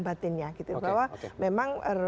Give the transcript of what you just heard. batinnya bahwa memang